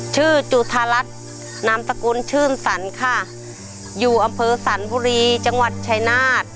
จุธารัฐนามสกุลชื่นสรรค่ะอยู่อำเภอสรรบุรีจังหวัดชายนาฏ